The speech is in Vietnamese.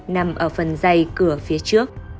nằm ở phần dây cửa phía trước